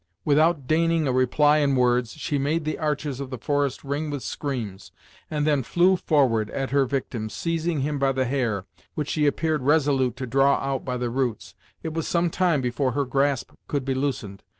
Without deigning a reply in words, she made the arches of the forest ring with screams, and then flew forward at her victim, seizing him by the hair, which she appeared resolute to draw out by the roots. It was some time before her grasp could be loosened.